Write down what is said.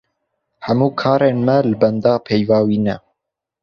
Hemû karên me li benda peyva wî ne.